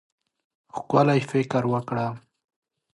ښکلی فکر وکړه.